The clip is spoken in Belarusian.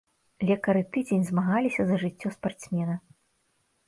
Лекары тыдзень змагаліся за жыццё спартсмена.